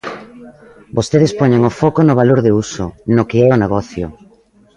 Vostedes poñen o foco no valor de uso, no que é o negocio.